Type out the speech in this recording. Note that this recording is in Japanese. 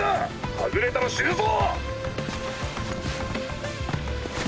はぐれたら死ぬぞ。